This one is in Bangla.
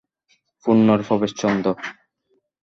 পূর্ণর প্রবেশ চন্দ্র।